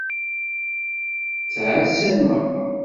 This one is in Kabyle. Ttɛasan meṛṛa.